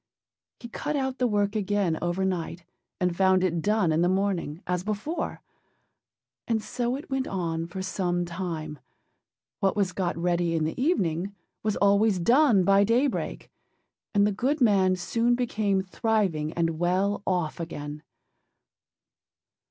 He cut out the work again overnight and found it done in the morning, as before; and so it went on for some time: what was got ready in the evening was always done by daybreak, and the good man soon became thriving and well off again.